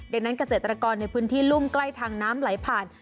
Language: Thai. ดังนั้นเกษตรกรในพื้นที่รุ่มใกล้ทางน้ำไหลผ่าน